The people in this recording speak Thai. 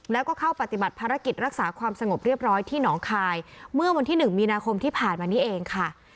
แล้วก็เข้าปฏิบัติภารกิจรักษาความสงบเรียบร้อยที่หนองคายเมื่อวันที่๑มีนาคมที่ผ่านมานี้เองค่ะ